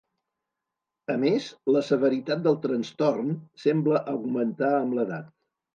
A més, la severitat del trastorn sembla augmentar amb l'edat.